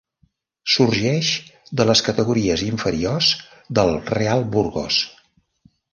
Sorgeix de les categories inferiors del Real Burgos.